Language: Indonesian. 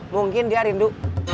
mungkin dia rindu